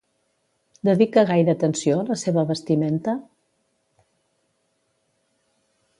Dedica gaire atenció a la seva vestimenta?